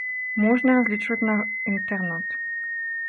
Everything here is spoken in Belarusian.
Можна разлічваць на інтэрнат.